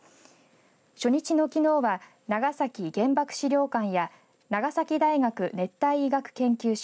初日のきのうは長崎原爆資料館や長崎大学熱帯医学研究所